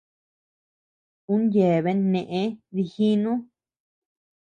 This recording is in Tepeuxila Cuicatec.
Un yeabean neʼe dijinu.